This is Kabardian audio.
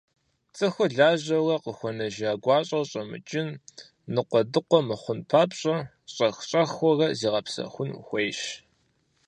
ЦӀыхур лажьэурэ къыхуэнэжа гуащӀэр щӀэмыкӀын, ныкъуэдыкъуэ мыхъун папщӀэ, щӏэх-щӏэхыурэ зигъэпсэхун хуейщ.